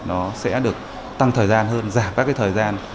nó sẽ được tăng thời gian hơn giảm các cái thời gian